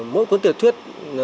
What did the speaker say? mỗi cuốn tiểu thuyết